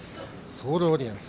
ソールオリエンス。